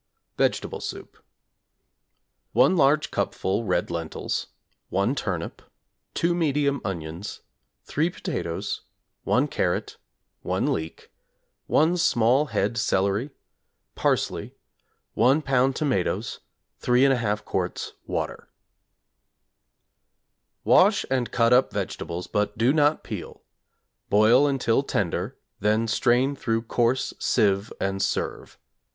Vegetable Soup= 1 large cupful red lentils, 1 turnip, 2 medium onions, 3 potatoes, 1 carrot, 1 leek, 1 small head celery, parsley, 1 lb. tomatoes, 3 1/2 quarts water. Wash and cut up vegetables, but do not peel. Boil until tender, then strain through coarse sieve and serve.